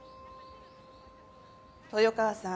豊川さん